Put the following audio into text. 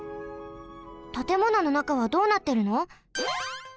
たてもののなかはどうなってるの？